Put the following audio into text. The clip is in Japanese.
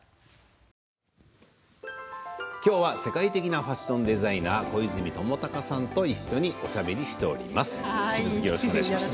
きょうは、世界的なファッションデザイナー小泉智貴さんとおしゃべりをしております。